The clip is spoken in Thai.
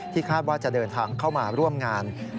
คาดว่าจะเดินทางเข้ามาร่วมงาน